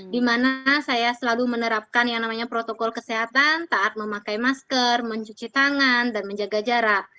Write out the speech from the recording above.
di mana saya selalu menerapkan yang namanya protokol kesehatan taat memakai masker mencuci tangan dan menjaga jarak